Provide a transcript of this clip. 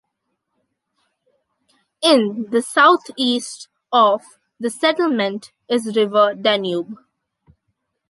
In the south-east of the settlement is river Danube.